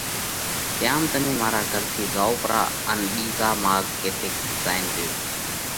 تيام تمي مارا گھر ٿِي زائو پرا، ان ٻِيزا ماڳ ڪٿيڪ زائينَ ريو۔